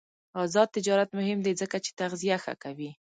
آزاد تجارت مهم دی ځکه چې تغذیه ښه کوي.